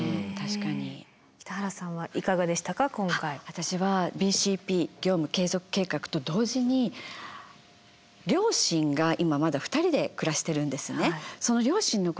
私はＢＣＰ業務継続計画と同時に両親が今まだ２人で暮らしてるんですね。